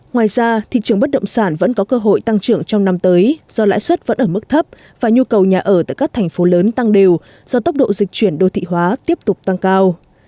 ngoài ra thị trường bất động sản vẫn có cơ hội tăng trưởng trong năm tới do lãi suất vẫn ở mức thấp và nhu cầu nhà ở tại các thành phố lớn tăng đều do tốc độ dịch chuyển đô thị hóa tiếp tục tăng cao